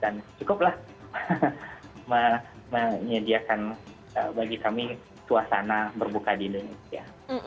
dan cukup lah menyediakan bagi kami suasana berbuka di indonesia